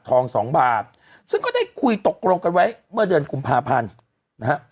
สองบาทซึ่งก็ได้คุยตกลงกันไว้เมื่อเดือนกุมภาพันธ์นะฮะ